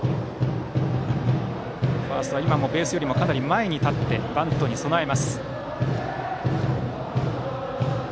ファーストはベースよりも前に立ってバントに備えています。